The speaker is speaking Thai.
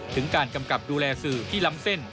ถึงการกำกับดูแลสื่อที่ล้ำเส้น